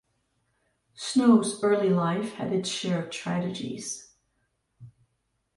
Snowe's early life had its share of tragedies.